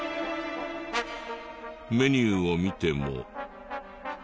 メニューを見ても。